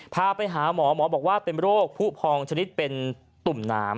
พาไปหาหมอหมอบอกว่าเป็นโรคผู้พองชนิดเป็นตุ่มน้ำ